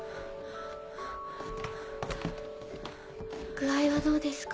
具合はどうですか？